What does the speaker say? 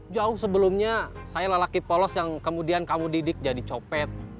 jauh sebelumnya saya lelaki polos yang kemudian kamu didik jadi copet